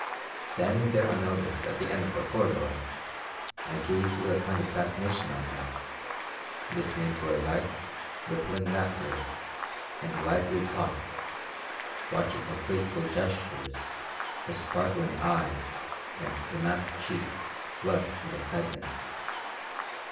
Standing there unnoticed at the end of the corridor, I gazed with a kind of fascination on her, listening to her light, rippling laughter and lively talk, watching her graceful gestures, her sparkling eyes, and damask cheeks flushed with excitement.